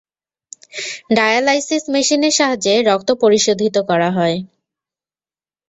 Dialysis মেশিনের সাহায্যে রক্ত পরিশোধিত করা হয়।